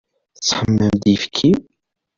Tesseḥmam-d ayefki?